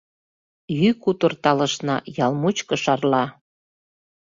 Йӱк утыр талышна, ял мучко шарла.